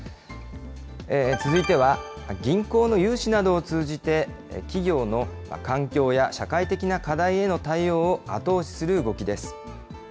続いては、銀行の融資などを通じて、企業の環境や社会的な課題への対応を後押しする動きです。